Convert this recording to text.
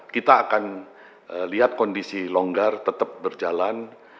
kita akan lihat kondisi longgar tetap berjalan